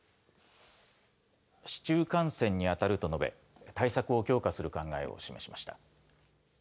市中感染に当たると述べ、対策を強化する考えを示しました。